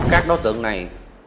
các đối tượng này